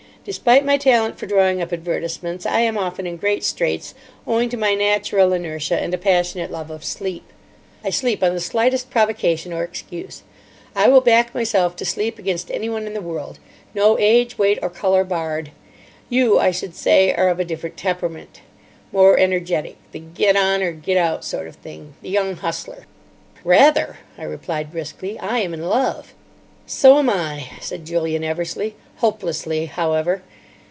Despite my talent for drawing up advertisements, I am often in great straits owing to my natural inertia and a passionate love of sleep. I sleep on the slightest provocation or excuse. I will back myself to sleep against anyone in the world, no age, weight, or colour barred. You, I should say, are of a different temperament. More energetic. The Get On or Get Out sort of thing. The Young Hustler." "Rather," I replied briskly, "I am in love." "So am I," said Julian Eversleigh. "Hopelessly, however.